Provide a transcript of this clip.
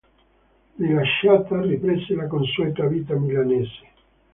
Rilasciata, riprese la consueta vita milanese.